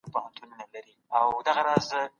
آيا دا دوره د روم له سقوط څخه پيل سوه؟